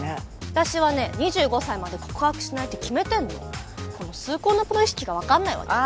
私はね２５歳まで告白しないって決めてんのこの崇高なプロ意識が分かんないわけ？